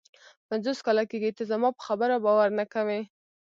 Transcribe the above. پنځوس کاله کېږي ته زما پر خبره باور نه کوې.